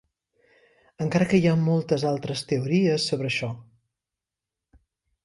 Encara que hi ha moltes altres teories sobre això.